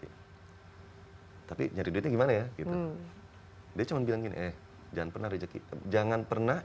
hai tapi jadi duitnya gimana ya gitu dia cuman bilangin eh jangan pernah rezeki jangan pernah